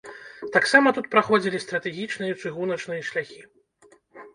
Таксама тут праходзілі стратэгічныя чыгуначныя шляхі.